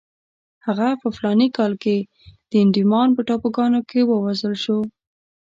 هغه په فلاني کال کې د انډیمان په ټاپوګانو کې ووژل شو.